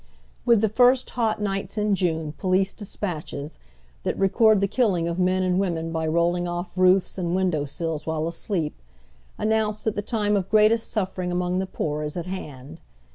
With the first liot nights in June police despatches, that record the killing of men and women by rolling off roofs and window sills while asleep, announce that the time of greatest suffering among the poor is at hand.